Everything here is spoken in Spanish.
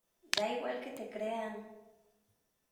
¡ da igual que te crean!